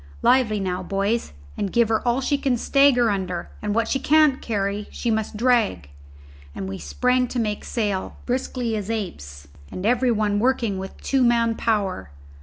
Lively now, boys, and give her all she can stagger under; and what she can't carry she must drag." And we sprang to make sail, briskly as apes, and every one working with two man power.